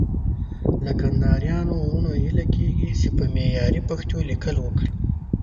له کندهاريانو وروڼو هيله کېږي چې په معياري پښتو ليکل وکړي.